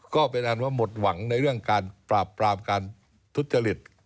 ก็เป็นอันว่าหมดหวังในเรื่องการปราบปรามการทุจริต